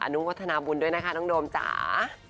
นุวัฒนาบุญด้วยนะคะน้องโดมจ๋า